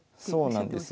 そうなんですよ。